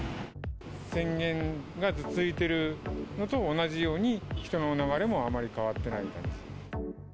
宣言が続いてるのと同じように、人の流れもあまり変わってない感じ。